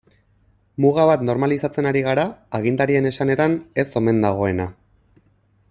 Muga bat normalizatzen ari gara, agintarien esanetan ez omen dagoena.